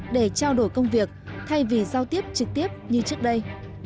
để trao đổi công việc thay vì giao tiếp trực tiếp như trước đây